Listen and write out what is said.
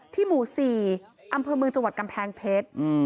ที่หมู่สี่อำเผอร์เมืองจังหวัดกำแพงเพชรอืม